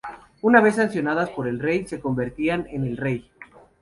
Una vez sancionadas por el rey, se convertían en ley.